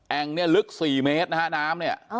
่งเนี่ยลึก๔เมตรนะฮะน้ำเนี่ย